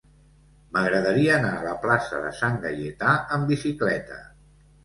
M'agradaria anar a la plaça de Sant Gaietà amb bicicleta.